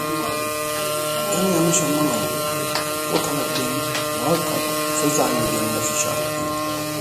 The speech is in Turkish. Beni yanlış anlamayın, bu taleplerin muhakkak söz haline gelmesi şart değil…